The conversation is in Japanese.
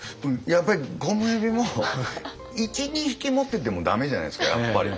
やっぱりゴムヘビも１２匹持ってても駄目じゃないですかやっぱり。